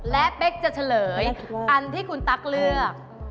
และเป๊กจะเฉลยอันที่คุณตั๊กเลือก